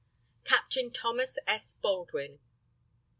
CAPTAIN THOMAS S. BALDWIN.